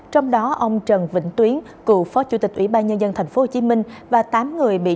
trong đó ông trần vĩnh tuyến cựu phó chủ tịch ủy ban nhân dân thành phố hồ chí minh và tám người bị